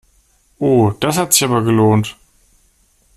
Oh, das hat sich aber gelohnt!